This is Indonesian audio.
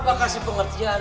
abah kasih pengertian